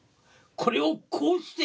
これをこうして！」。